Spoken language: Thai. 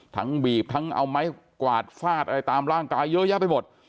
บีบทั้งเอาไม้กวาดฟาดอะไรตามร่างกายเยอะแยะไปหมด